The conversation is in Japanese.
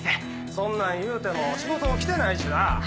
そんなん言うても仕事も来てないしなぁ。